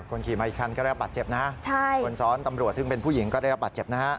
ขี่มาอีกคันก็ได้รับบาดเจ็บนะคนซ้อนตำรวจซึ่งเป็นผู้หญิงก็ได้รับบาดเจ็บนะฮะ